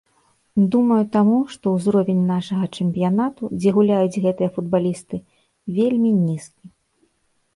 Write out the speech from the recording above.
Думаю таму, што узровень нашага чэмпіянату, дзе гуляюць гэтыя футбалісты, вельмі нізкі.